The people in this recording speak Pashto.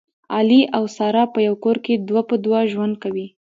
علي او ساره په یوه کور کې دوه په دوه ژوند کوي